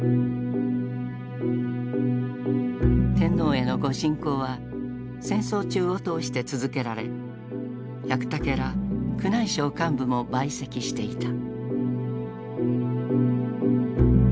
天皇への御進講は戦争中を通して続けられ百武ら宮内省幹部も陪席していた。